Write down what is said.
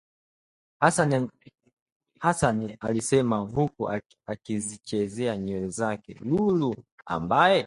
Hasani alisema huku akizichezea nywele zake Lulu ambaye